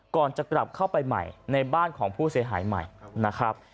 ก่อนจะกลับเข้าไปใหม่ในบ้านของผู้เสียหายใหม่นะครับ